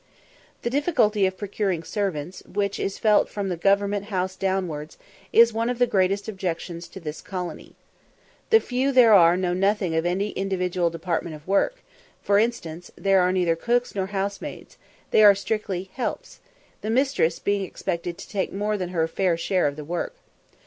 The difficulty of procuring servants, which is felt from the Government House downwards, is one of the great objections to this colony. The few there are know nothing of any individual department of work, for instance, there are neither cooks nor housemaids, they are strictly "helps" the mistress being expected to take more than her fair share of the work.